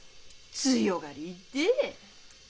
強がり言っで。